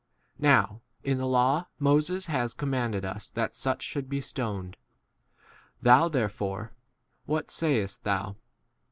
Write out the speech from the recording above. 5 Now in the law Moses has com manded us that such should be stoned : thou therefore, what say 6 est thou